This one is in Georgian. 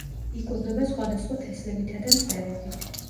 იკვებება სხვადასხვა თესლებითა და მწერებით.